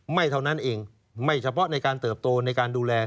เท่านั้นเองไม่เฉพาะในการเติบโตในการดูแล